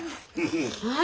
はい。